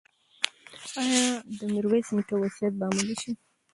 ایا د میرویس نیکه وصیت به عملي شي؟